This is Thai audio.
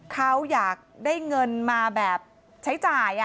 เขาอยากได้เงินมาแบบใช้จ่าย